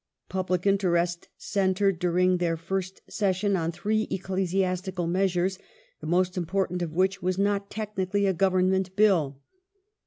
Public interest centred during their first session on three ecclesiastical measures, the most important of which was not technically a Government Bill.